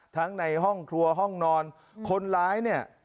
ในห้องครัวห้องนอนคนร้ายเนี่ย